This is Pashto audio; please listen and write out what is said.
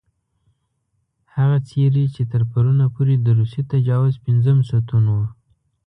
هغه څېرې چې تر پرونه پورې د روسي تجاوز پېنځم ستون وو.